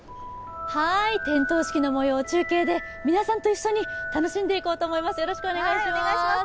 点灯式のもようを中継で皆さんと一緒に楽しんでいこうと思います。